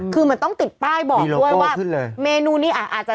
คือเหมือนต้องติดป้ายบอกด้วยว่าเมนูนี้อาจจะ